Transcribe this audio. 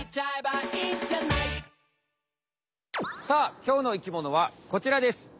さあきょうの生きものはこちらです。